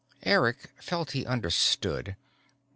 Eric felt he understood.